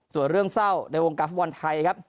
ส่วนเรื่องเศร้าในวงการฟุตบอลไทยครับ